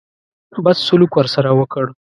بد سلوک ورسره وکړ.